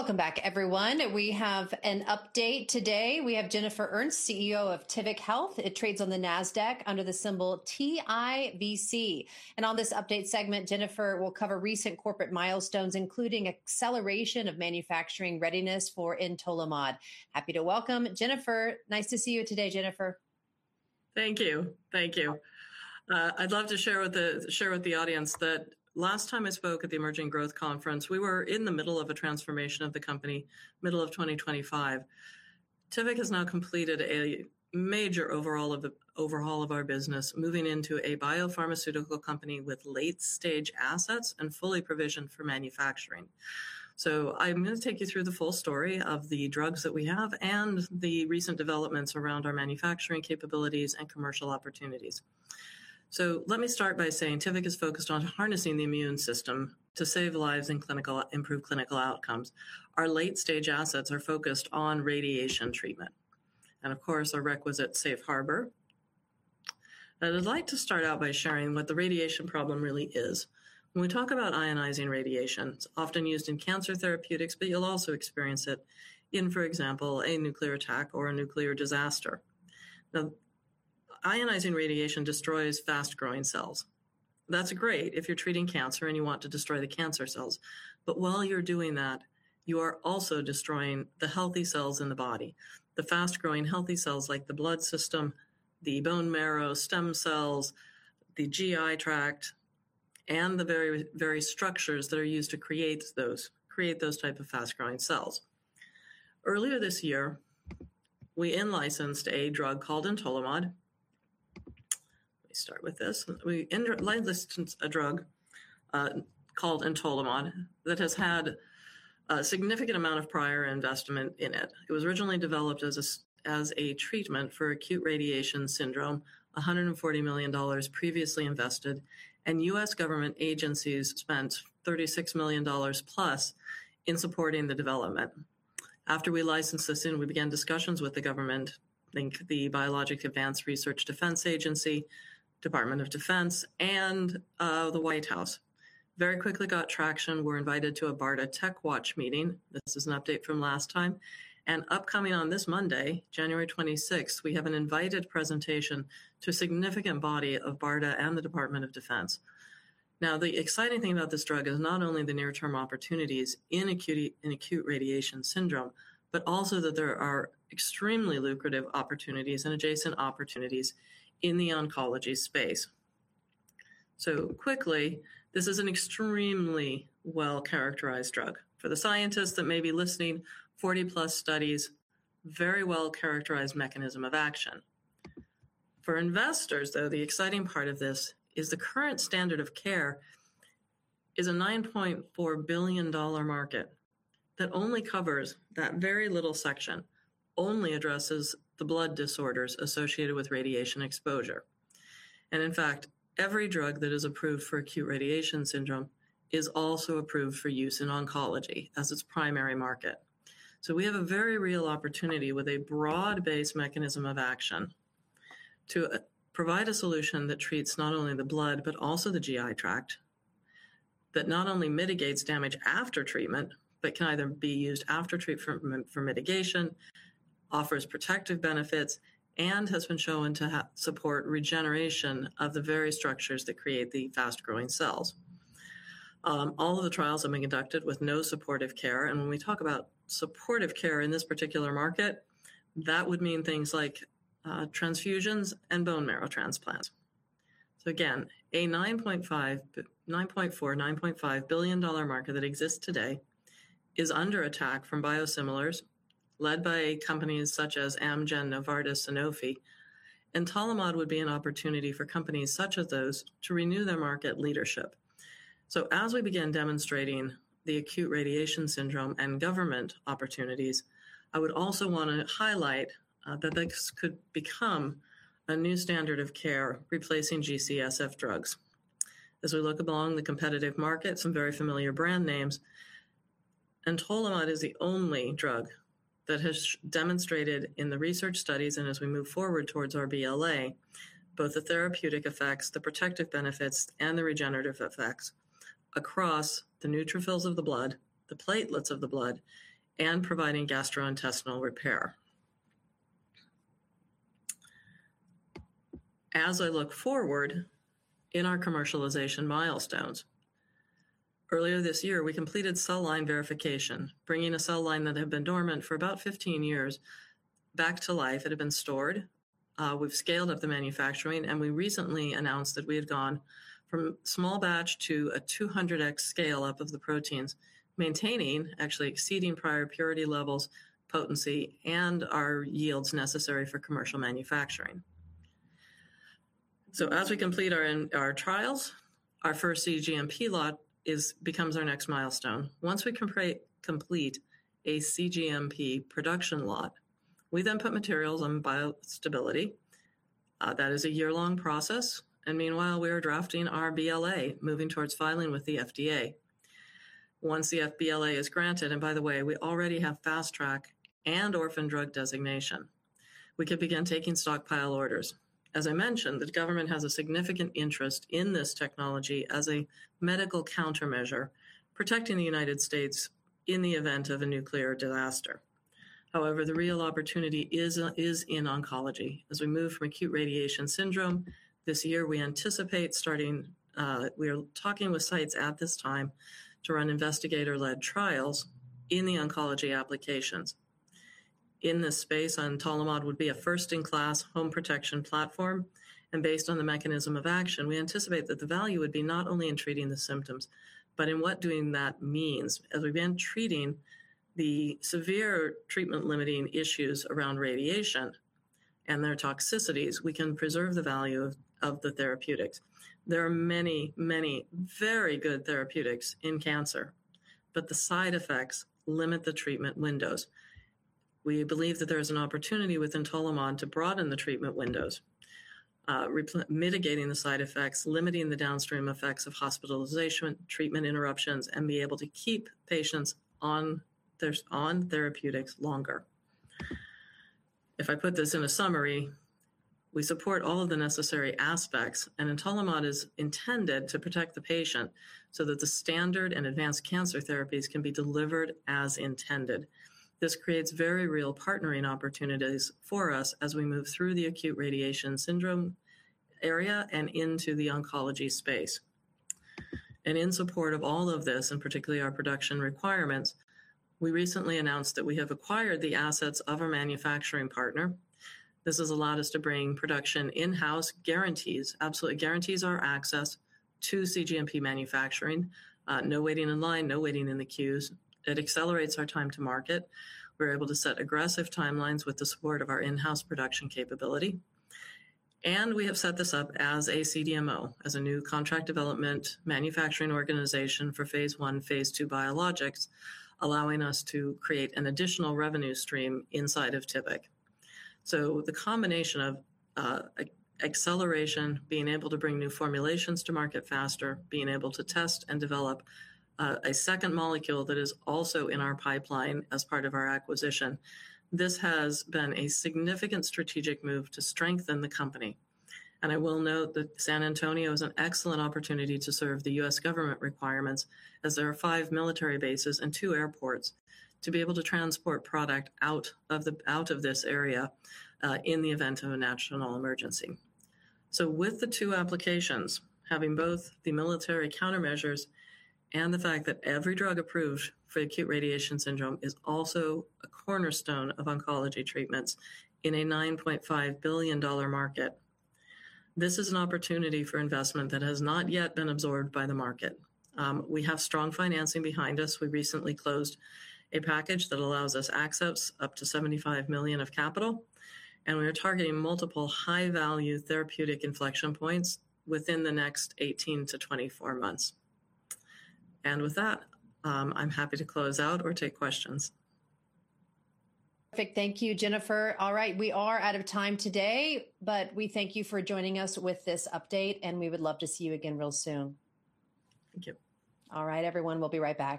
Welcome back, everyone. We have an update today. We have Jennifer Ernst, CEO of Tivic Health. It trades on the Nasdaq under the symbol TIVC, and on this update segment, Jennifer will cover recent corporate milestones, including acceleration of manufacturing readiness for Entolimod. Happy to welcome Jennifer. Nice to see you today, Jennifer. Thank you. Thank you. I'd love to share with the audience that last time I spoke at the Emerging Growth Conference, we were in the middle of a transformation of the company, middle of 2025. Tivic has now completed a major overhaul of our business, moving into a biopharmaceutical company with late-stage assets and fully provisioned for manufacturing. So I'm going to take you through the full story of the drugs that we have and the recent developments around our manufacturing capabilities and commercial opportunities. So let me start by saying Tivic is focused on harnessing the immune system to save lives and improve clinical outcomes. Our late-stage assets are focused on radiation treatment. And of course, our requisite safe harbor. And I'd like to start out by sharing what the radiation problem really is. When we talk about ionizing radiation, it's often used in cancer therapeutics, but you'll also experience it in, for example, a nuclear attack or a nuclear disaster. Now, ionizing radiation destroys fast-growing cells. That's great if you're treating cancer and you want to destroy the cancer cells. But while you're doing that, you are also destroying the healthy cells in the body, the fast-growing healthy cells like the blood system, the bone marrow, stem cells, the GI tract, and the very structures that are used to create those type of fast-growing cells. Earlier this year, we in-licensed a drug called Entolimod. Let me start with this. We licensed a drug called Entolimod that has had a significant amount of prior investment in it. It was originally developed as a treatment for acute radiation syndrome, $140 million previously invested, and U.S. government agencies spent $36 million plus in supporting the development. After we licensed this in, we began discussions with the government, the Biomedical Advanced Research and Development Authority, Department of Defense, and the White House. Very quickly got traction. We're invited to a BARDA TechWatch meeting. This is an update from last time. Upcoming on this Monday, January 26, we have an invited presentation to a significant body of BARDA and the Department of Defense. Now, the exciting thing about this drug is not only the near-term opportunities in acute radiation syndrome, but also that there are extremely lucrative opportunities and adjacent opportunities in the oncology space. Quickly, this is an extremely well-characterized drug. For the scientists that may be listening, 40-plus studies, very well-characterized mechanism of action. For investors, though, the exciting part of this is the current standard of care is a $9.4 billion market that only covers that very little section, only addresses the blood disorders associated with radiation exposure, and in fact, every drug that is approved for acute radiation syndrome is also approved for use in oncology as its primary market, so we have a very real opportunity with a broad-based mechanism of action to provide a solution that treats not only the blood, but also the GI tract, that not only mitigates damage after treatment, but can either be used after treatment for mitigation, offers protective benefits, and has been shown to support regeneration of the very structures that create the fast-growing cells. All of the trials have been conducted with no supportive care. When we talk about supportive care in this particular market, that would mean things like transfusions and bone marrow transplants. A $9.4 billion-$9.5 billion market that exists today is under attack from biosimilars led by companies such as Amgen, Novartis, and Sanofi. Entolimod would be an opportunity for companies such as those to renew their market leadership. As we begin demonstrating the acute radiation syndrome and government opportunities, I would also want to highlight that this could become a new standard of care replacing G-CSF drugs. As we look along the competitive market, some very familiar brand names, Entolimod is the only drug that has demonstrated in the research studies and as we move forward towards our BLA, both the therapeutic effects, the protective benefits, and the regenerative effects across the neutrophils of the blood, the platelets of the blood, and providing gastrointestinal repair. As I look forward in our commercialization milestones, earlier this year, we completed cell line verification, bringing a cell line that had been dormant for about 15 years back to life. It had been stored. We've scaled up the manufacturing, and we recently announced that we had gone from small batch to a 200x scale up of the proteins, maintaining, actually exceeding prior purity levels, potency, and our yields necessary for commercial manufacturing. So as we complete our trials, our first cGMP lot becomes our next milestone. Once we complete a cGMP production lot, we then put materials on biostability. That is a year-long process. And meanwhile, we are drafting our BLA, moving towards filing with the FDA. Once the BLA is granted, and by the way, we already have Fast Track and Orphan Drug Designation, we could begin taking stockpile orders. As I mentioned, the government has a significant interest in this technology as a medical countermeasure protecting the United States in the event of a nuclear disaster. However, the real opportunity is in oncology. As we move from acute radiation syndrome, this year, we anticipate starting, we are talking with sites at this time to run investigator-led trials in the oncology applications. In this space, Entolimod would be a first-in-class home protection platform. And based on the mechanism of action, we anticipate that the value would be not only in treating the symptoms, but in what doing that means. As we begin treating the severe treatment-limiting issues around radiation and their toxicities, we can preserve the value of the therapeutics. There are many, many very good therapeutics in cancer, but the side effects limit the treatment windows. We believe that there is an opportunity with Entolimod to broaden the treatment windows, mitigating the side effects, limiting the downstream effects of hospitalization, treatment interruptions, and be able to keep patients on therapeutics longer. If I put this in a summary, we support all of the necessary aspects, and Entolimod is intended to protect the patient so that the standard and advanced cancer therapies can be delivered as intended. This creates very real partnering opportunities for us as we move through the acute radiation syndrome area and into the oncology space. And in support of all of this, and particularly our production requirements, we recently announced that we have acquired the assets of our manufacturing partner. This has allowed us to bring production in-house, guarantees absolute guarantees our access to cGMP manufacturing, no waiting in line, no waiting in the queues. It accelerates our time to market. We're able to set aggressive timelines with the support of our in-house production capability. And we have set this up as a CDMO, as a new contract development and manufacturing organization for phase I, phase II biologics, allowing us to create an additional revenue stream inside of Tivic. So the combination of acceleration, being able to bring new formulations to market faster, being able to test and develop a second molecule that is also in our pipeline as part of our acquisition, this has been a significant strategic move to strengthen the company. And I will note that San Antonio is an excellent opportunity to serve the U.S. government requirements as there are five military bases and two airports to be able to transport product out of this area in the event of a national emergency. So with the two applications, having both the military countermeasures and the fact that every drug approved for acute radiation syndrome is also a cornerstone of oncology treatments in a $9.5 billion market, this is an opportunity for investment that has not yet been absorbed by the market. We have strong financing behind us. We recently closed a package that allows us access up to $75 million of capital. And we are targeting multiple high-value therapeutic inflection points within the next 18 to 24 months. And with that, I'm happy to close out or take questions. Perfect. Thank you, Jennifer. All right, we are out of time today, but we thank you for joining us with this update, and we would love to see you again real soon. Thank you. All right, everyone, we'll be right back.